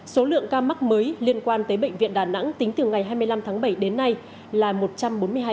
số lượng ca mắc mới liên quan tới bệnh viện đà nẵng tính từ ngày hai mươi năm tháng bảy đến nay là một trăm bốn mươi hai ca